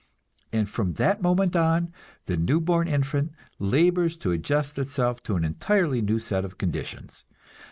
And from that moment on, the new born infant labors to adjust itself to an entirely new set of conditions.